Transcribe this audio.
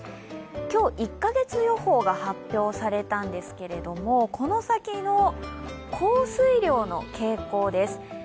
今日、１カ月予報が発表されたんですけれどもこの先の降水量の傾向です。